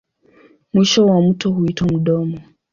Mwisho wa mto huitwa mdomo.